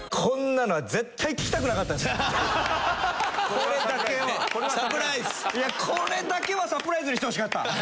これだけはサプライズにしてほしかった。